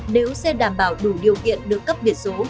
nếu xe đảm bảo đủ điều kiện được cấp biển số